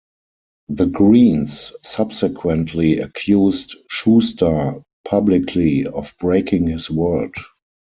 The Greens subsequently accused Schuster publicly of breaking his word.